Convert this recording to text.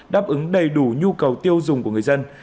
đáp ứng đầy đủ nhu cầu tiêu dùng của người dân